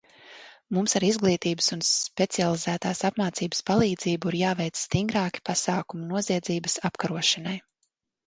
Mums ar izglītības un specializētas apmācības palīdzību ir jāveic stingrāki pasākumi noziedzības apkarošanai.